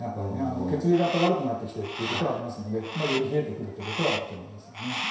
血流が悪くなってきてということはありますのでより冷えてということはあると思います。